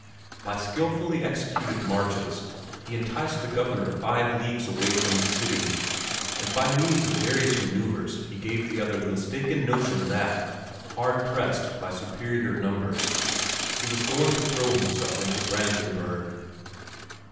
By skilfully executed marches he enticed the Governor five leagues away from the city, and by means of various manoeuvres he gave the other the mistaken notion that, hard pressed by superior numbers, he was going to throw himself into Brandenburg.